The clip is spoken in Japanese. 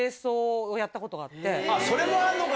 それもあんのか。